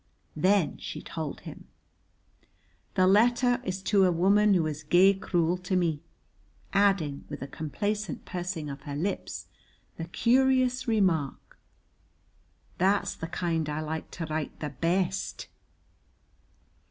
Then she told him "The letter is to a woman that was gey cruel to me," adding, with a complacent pursing of her lips, the curious remark, "That's the kind I like to write to best."